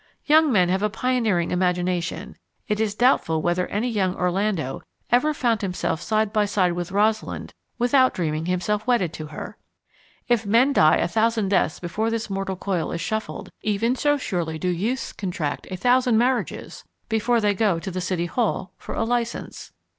Young men have a pioneering imagination: it is doubtful whether any young Orlando ever found himself side by side with Rosalind without dreaming himself wedded to her. If men die a thousand deaths before this mortal coil is shuffled, even so surely do youths contract a thousand marriages before they go to the City Hall for a license.